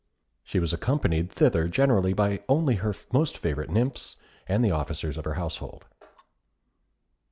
She was accompanied thither generally by only her most favourite nymphs and the officers of her household.